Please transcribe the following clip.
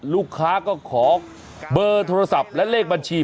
ลูกค้าก็ขอเบอร์โทรศัพท์และเลขบัญชี